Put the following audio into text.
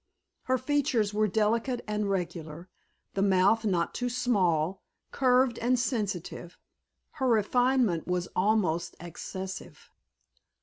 Her features were delicate and regular, the mouth not too small, curved and sensitive; her refinement was almost excessive.